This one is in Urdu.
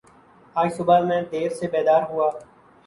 آج صبح میں دیر سے بیدار ہوا